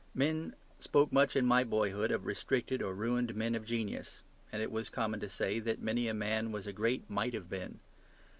Men spoke much in my boyhood of restricted or ruined men of genius: and it was common to say that many a man was a Great Might Have Been.